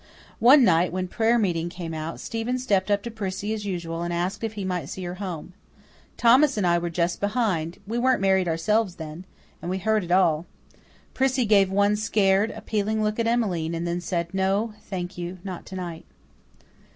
One night, when prayer meeting came out, Stephen stepped up to Prissy as usual and asked if he might see her home. Thomas and I were just behind we weren't married ourselves then and we heard it all. Prissy gave one scared, appealing look at Emmeline and then said, "No, thank you, not to night."